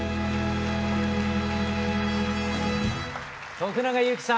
徳永ゆうきさん